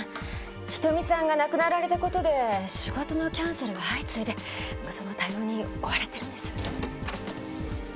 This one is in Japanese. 瞳さんが亡くなられた事で仕事のキャンセルが相次いでその対応に追われてるんです。